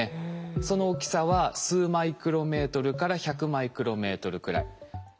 その大きさは数マイクロメートルから１００マイクロメートルくらい。